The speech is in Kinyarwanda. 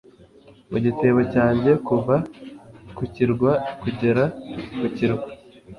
mu gitebo cyanjye, kuva ku kirwa kugera ku kirwa